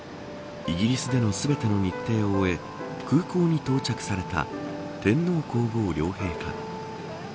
イギリスでの全ての日程を終え空港に到着された天皇皇后両陛下。